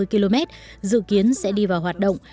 ba trăm năm mươi km dự kiến sẽ đi vào hoạt động